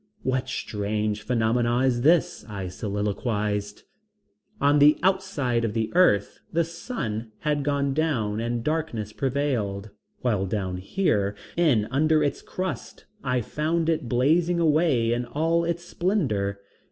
What strange phenomena is this, I soliloquized? On the outside of the earth the sun had gone down and darkness prevailed, while down here, in under its crust I found it blazing away in all its splendor.